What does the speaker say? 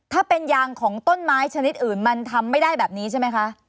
ถ้าเป็นยางของต้นไม้ชนิดอื่นมันทำไม่ได้แบบนี้ใช่ไหมคะ